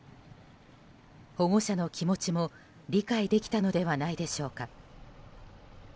保護者の気持ちも理解できたのではないでしょうか。